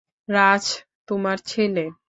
রাজ তোমার ছেলে।